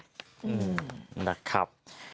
อืมนะครับ